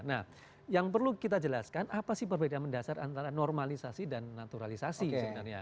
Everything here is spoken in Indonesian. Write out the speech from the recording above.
nah yang perlu kita jelaskan apa sih perbedaan mendasar antara normalisasi dan naturalisasi sebenarnya